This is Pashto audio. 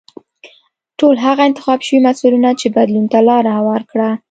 ټول هغه انتخاب شوي مسیرونه چې بدلون ته لار هواره کړه.